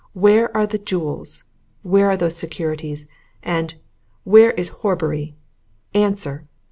Where are the jewels? Where are those securities? And where is Horbury! Answer!